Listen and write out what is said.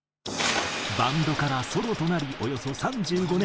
バンドからソロとなりおよそ３５年。